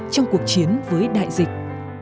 trong cuộc chiến với đại dịch